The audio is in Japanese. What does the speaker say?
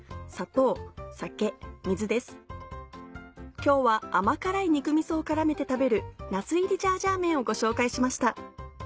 今日は甘辛い肉味噌を絡めて食べる「なす入りジャージャー麺」をご紹介しました。